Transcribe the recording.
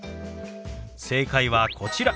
正解はこちら。